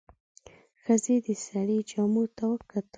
ښځې د سړي جامو ته وکتل.